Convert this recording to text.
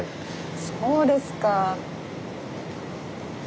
そうですか。